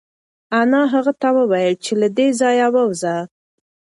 انا هغه ته وویل چې له دې ځایه ووځه.